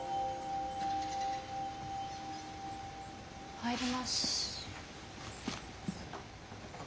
入ります。